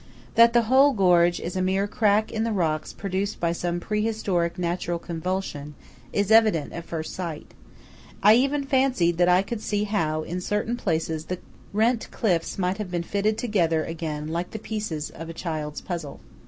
That the whole gorge is a mere crack in the rocks produced by some pre historic natural convulsion, is evident at first sight. I even fancied that I could see how in certain places the rent cliffs might have been fitted together again, like the pieces of a child's puzzle.